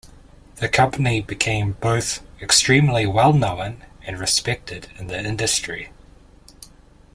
The company became both extremely well known and respected in the industry.